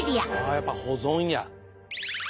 あやっぱ保存や。